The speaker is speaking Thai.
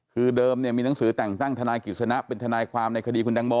คือเดิมมีหนังสือแต่งตั้งทนายกิจสนะเป็นทนายความในคดีคุณตังโม